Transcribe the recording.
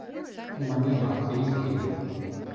Tu man iemācīji izdzīvot.